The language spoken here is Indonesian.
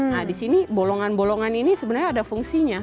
nah disini bolongan bolongan ini sebenarnya ada fungsinya